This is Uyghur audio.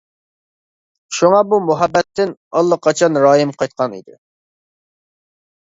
شۇڭا بۇ مۇھەببەتتىن ئاللىقاچان رايىم قايتقان ئىدى.